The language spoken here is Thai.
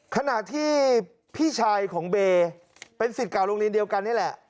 ขณะที่พี่ชายของเบย์เป็นสิทธิ์เก่าโรงเรียนเดียวกันนี่แหละ